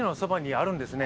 あるんですね。